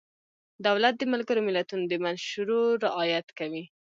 دولت د ملګرو ملتونو د منشورو رعایت کوي.